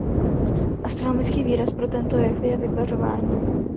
Astronomický výraz pro tento jev je "vypařování".